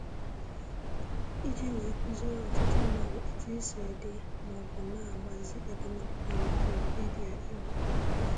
iji wee kụziere ọtụtụ mmadụ etu e si ede maọbụ na-agbàzi edemede na Wikipedia Igbo